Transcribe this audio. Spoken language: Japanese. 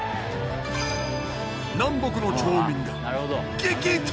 南北の町民が激突！